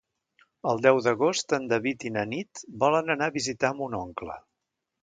El deu d'agost en David i na Nit volen anar a visitar mon oncle.